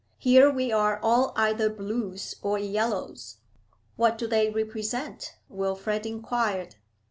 'Here we are all either Blues or Yellows.' 'What do they represent?' Wilfrid inquired.